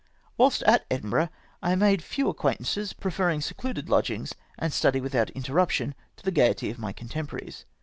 Wliilst at Edinburgh, I made few acquaintances, preferring secluded lodgings and study without inter ruption to the gaiety of my contemporaries.